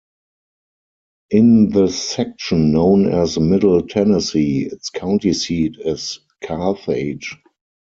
In the section known as Middle Tennessee, its county seat is Carthage.